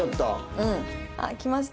うん。ああ来ました。